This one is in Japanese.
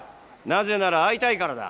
なぜなら会いたいからだ！